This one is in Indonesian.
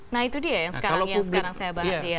nah itu dia yang sekarang saya bahas dia